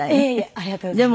ありがとうございます。